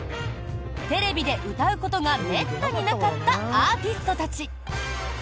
テレビで歌うことがめったになかったアーティストたち。